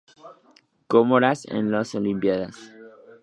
Comoras en las Olimpíadas